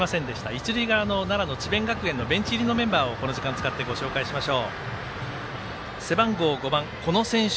一塁側の智弁学園のベンチ入りのメンバーをこの時間使ってご紹介します。